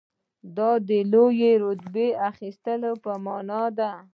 دا د لوړې رتبې اخیستلو په معنی ده.